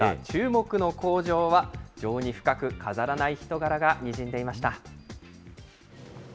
注目の口上は、情に深く、飾らない人柄がにじんでいました。